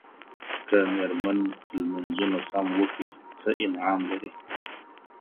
که ميرمن لمونځونه سم وکړي څه انعام لري؟